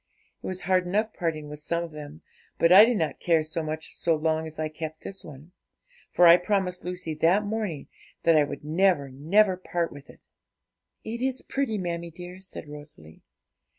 It was hard enough parting with some of them; but I did not care so much so long as I kept this one, for I promised Lucy that morning that I would never, never part with it.' 'It is pretty, mammie dear,' said Rosalie.